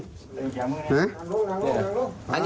ไปเข้าไป